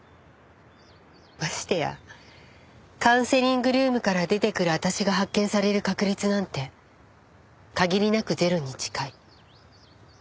ましてやカウンセリングルームから出てくる私が発見される確率なんて限りなくゼロに近い。